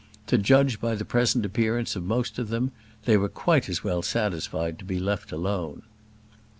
To judge by the present appearance of most of them, they were quite as well satisfied to be left alone.